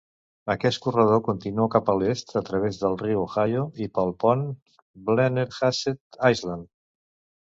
Aquest corredor continua cap a l'est a través del riu Ohio i pel pont Blennerhassett Island.